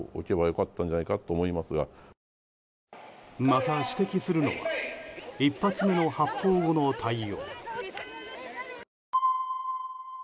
また、指摘するのは１発目の発砲後の対応。